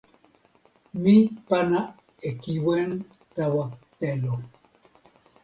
mi pana e kiwen tawa telo.